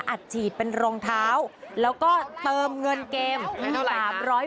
อัดฉีดเป็นรองเท้าแล้วก็เติมเงินเกม